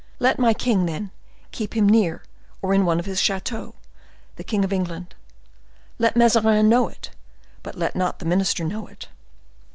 Let my king, then, keep near him, or in one of his chateaux, the king of England; let Mazarin know it, but let not the minister know it."